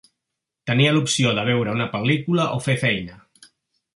Tenia l'opció de veure una pel·lícula o fer feina.